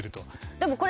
でもこれ。